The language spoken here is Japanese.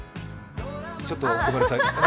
ちょっとごめんなさい。